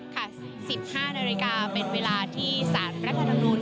ค่ะ๑๕นาฬิกาเป็นเวลาที่ศาลรักษณะทางโน้น